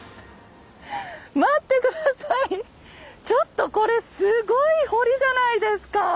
ちょっとこれすごい堀じゃないですか！